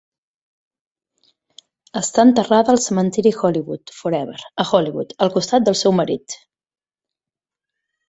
Està enterrada al cementiri Hollywood Forever, a Hollywood, al costat del seu marit.